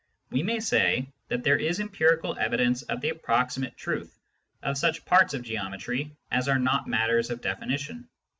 We may say that there is empirical evidence of the approximate truth of such parts of geometry as are not matters of definition.